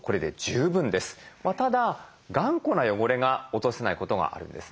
ただ頑固な汚れが落とせないことがあるんですね。